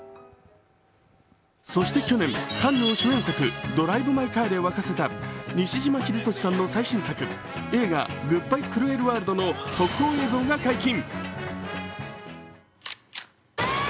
そして去年、カンヌを主題作「ドライブ・マイ・カー」で沸かせた西島秀俊さんの最新作、映画「グッバイ・クルエル・ワールド」の特報映像が解禁。